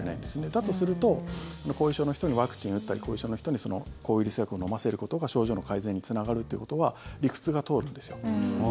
だとすると後遺症の人にワクチンを打ったり後遺症の人に抗ウイルス薬を飲ませることが症状の改善につながるということは理屈が通るんです。